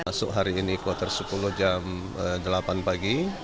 masuk hari ini kloter sepuluh jam delapan pagi